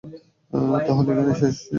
তাহলে এখানেই শেষ?